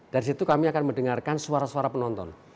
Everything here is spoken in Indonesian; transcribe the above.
dari situ kami akan mendengarkan suara suara penonton